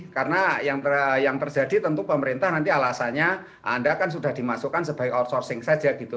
karena yang terjadi tentu pemerintah nanti alasannya anda kan sudah dimasukkan sebagai outsourcing saja gitu